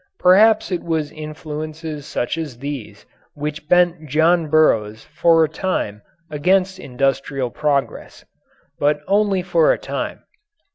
Perhaps it was influences such as these which bent John Burroughs for a time against industrial progress. But only for a time.